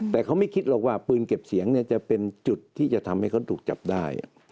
แต่เขาไม่คิดหรอกว่าปืนเก็บเสียงจะเป็นจุดที่จะทำให้เขาถูกจับได้